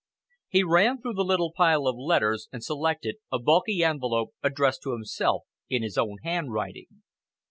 He ran through the little pile of letters and selected a bulky envelope addressed to himself in his own handwriting.